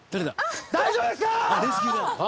大丈夫ですか！？